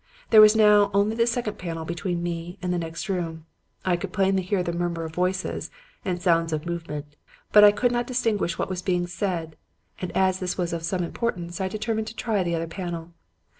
There was now only the second panel between me and the next room, and I could plainly hear the murmur of voices and sounds of movement. But I could not distinguish what was being said; and as this was of some importance, I determined to try the other panel.